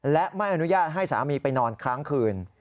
และไม่อนุญาตให้สามีไปนอนค้างคืน